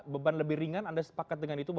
beban lebih ringan anda sepakat dengan itu